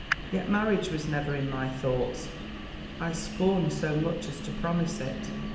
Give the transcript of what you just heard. Yet marriage was never in my thoughts: I scorned so much as to promise it.